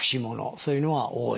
そういうのが多い。